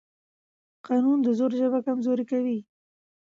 قانون د زور ژبه کمزورې کوي